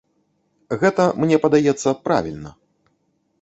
Гэта, мне падаецца, правільна.